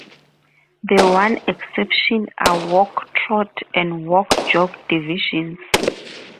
The one exception are walk-trot and walk-jog divisions.